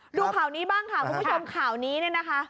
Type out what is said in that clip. ดูข่าวนี้บ้างค่ะคุณผู้ชมข่าวนี้เนี่ยนะคะ